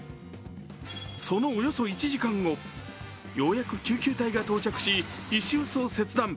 そのおよそ１時間後、ようやく救急隊が到着し、石臼を切断。